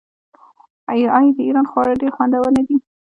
آیا د ایران خواړه ډیر خوندور نه دي؟